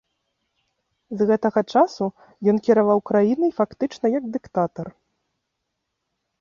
З гэтага часу ён кіраваў краінай фактычна як дыктатар.